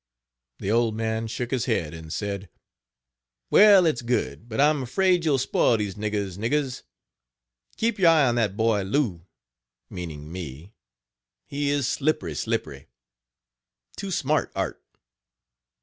The old man shook his head, and said: "Well, it's good, but I am afraid you'll spoil these niggers niggers. Keep you eye on that boy Lou, (meaning me) he is slippery slippery, too smart art."